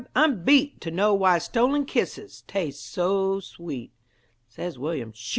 I'm beat To know why stolen kisses Taste so sweet." Says William: "Sho!